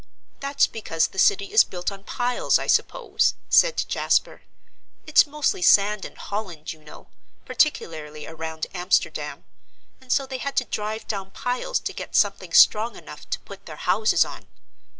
"That's because the city is built on piles, I suppose," said Jasper. "It's mostly sand in Holland, you know, particularly around Amsterdam, and so they had to drive down piles to get something strong enough to put their houses on.